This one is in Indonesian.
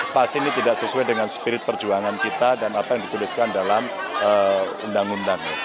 pasti ini tidak sesuai dengan spirit perjuangan kita dan apa yang dituliskan dalam undang undang